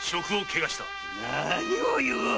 何を言う！